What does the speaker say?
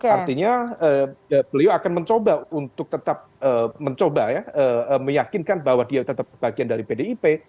artinya beliau akan mencoba untuk tetap mencoba ya meyakinkan bahwa dia tetap bagian dari pdip